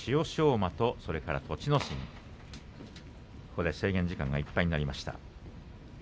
馬と栃ノ心制限時間がいっぱいとなりました。